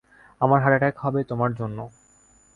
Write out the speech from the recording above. আমার heart attack হবে তোমার জন্য।